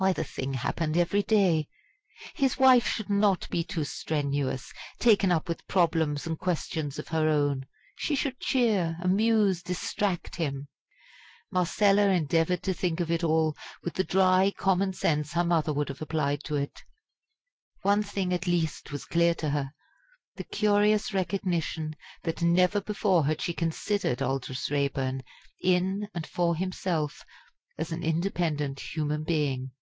why the thing happened every day. His wife should not be too strenuous, taken up with problems and questions of her own. She should cheer, amuse, distract him. Marcella endeavoured to think of it all with the dry common sense her mother would have applied to it. One thing at least was clear to her the curious recognition that never before had she considered Aldous Raeburn, in and for himself, as an independent human being.